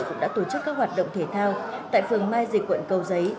cũng đã tổ chức các hoạt động thể thao tại phường mai dịch quận cầu giấy